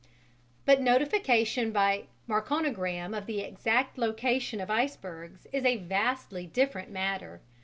But notification by Marconigram of the exact location of icebergs is a vastly different matter.